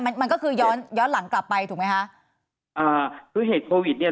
มันมันก็คือย้อนย้อนหลังกลับไปถูกไหมคะอ่าคือเหตุโควิดเนี้ย